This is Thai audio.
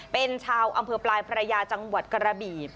เป็นชาวอำเภอปลายพระยาจังหวัดกระบี